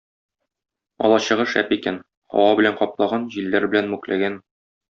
Алачыгы шәп икән: һава белән каплаган, җилләр белән мүкләгән.